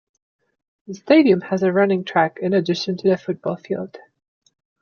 The stadium has a running track, in addition to the football field.